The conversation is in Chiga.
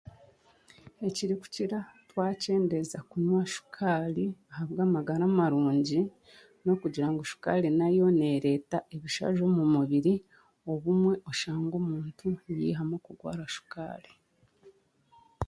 Ekirikukira twakyendeeza kunywa shukaari ahabw'amagara marungi n'okugira ngu shukaari nayo neereta ebishaju omu mubiri obumwe oshanga omuntu yaihamu okurwara shukaari